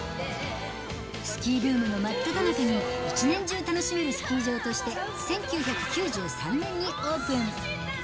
スキーブームの真っただ中に、一年中楽しめるスキー場として、１９９３年にオープン。